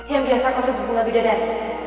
yang biasa kau sebut bunga bidadat